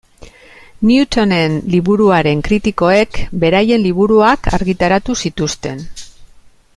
Newtonen liburuaren kritikoek beraien liburuak argitaratu zituzten.